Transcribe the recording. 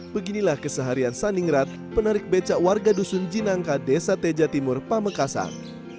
beginilah keseharian saningrat penarik becak warga dusun jinangka desa teja timur pamekasan